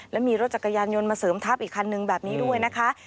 และมีรถจักรยานยนต์มาเสริมทับอีกคันนึงแบบนี้ด้วยนะคะ